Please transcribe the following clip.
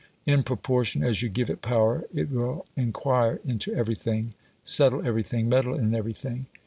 In proportion as you give it power it will inquire into everything, settle everything, meddle in everything.